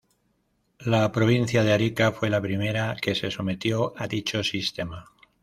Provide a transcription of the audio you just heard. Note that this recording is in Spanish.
La provincia de Arica fue la primera que se sometió a dicho sistema.